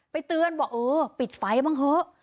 เตือนบอกเออปิดไฟบ้างเถอะ